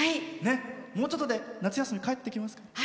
もうちょっとで夏休み帰ってきますか。